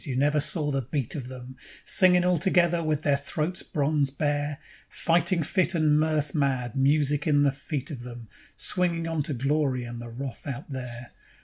You never saw the beat of them, Singing all together with their throats bronze bare; Fighting fit and mirth mad, music in the feet of them, Swinging on to glory and the wrath out there.